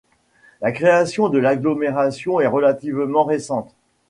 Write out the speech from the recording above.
La création de l'agglomération est relativement récente.